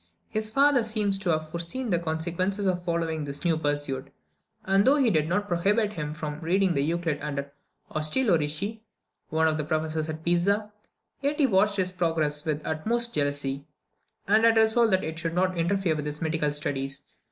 His father seems to have foreseen the consequences of following this new pursuit, and though he did not prohibit him from reading Euclid under Ostilio Ricci, one of the professors at Pisa, yet he watched his progress with the utmost jealousy, and had resolved that it should not interfere with his medical studies.